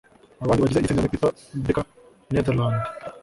Abandi bagize iri tsinda ni Peter Bakker (Netherlands)